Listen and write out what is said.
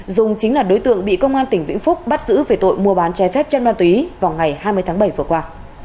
dung chính là đối tượng bị công an tỉnh vĩnh phúc bắt giữ về tội mua bán trái phép chân ma túy vào ngày hai mươi tháng bảy vừa qua